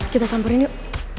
kita samperin yuk